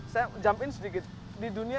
saya jump in sedikit di dunia